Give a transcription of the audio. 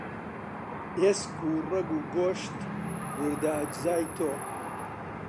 ئێسک و ڕەگ و گۆشت، وردە ئەجزای تۆ